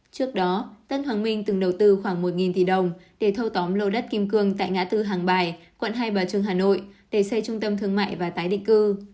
trước đó tân hoàng minh từng đầu tư khoảng một tỷ đồng để thâu tóm lô đất kim cương tại ngã tư hàng bài quận hai bà trưng hà nội để xây trung tâm thương mại và tái định cư